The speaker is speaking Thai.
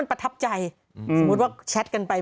ต้องมีแต่คนในโซเชียลว่าถ้ามีข่าวแบบนี้บ่อยทำไมถึงเชื่อขนาดใด